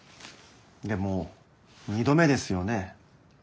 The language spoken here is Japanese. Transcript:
でも２度目ですよね？